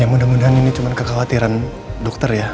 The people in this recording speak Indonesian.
ya mudah mudahan ini cuma kekhawatiran dokter ya